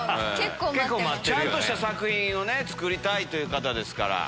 ちゃんとした作品を作りたいという方ですから。